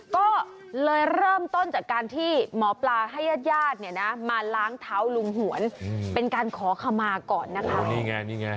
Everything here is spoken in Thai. ก็เริ่มต้นจากการที่หมอปลาให้ญาติมาล้างเท้าลุงหวนเป็นการขอขมาก่อน